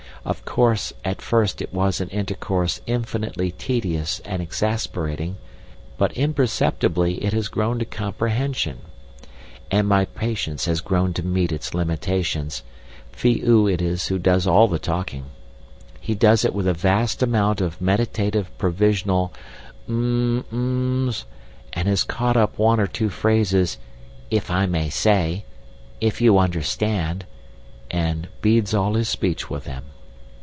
Of course, at first it was an intercourse infinitely tedious and exasperating, but imperceptibly it has grown to comprehension. And my patience has grown to meet its limitations, Phi oo it is who does all the talking. He does it with a vast amount of meditative provisional 'M'm—M'm' and has caught up one or two phrases, If I may say,' 'If you understand,' and beads all his speech with them.